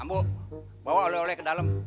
kamu bawa oleh oleh ke dalam